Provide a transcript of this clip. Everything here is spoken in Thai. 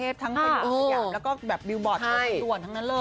แล้วก็แบบบิลบอร์ดส่วนทั้งนั้นเลย